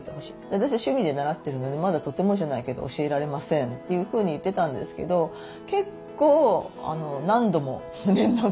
「私は趣味で習ってるのでまだとてもじゃないけど教えられません」というふうに言ってたんですけど結構何度も連絡が来て。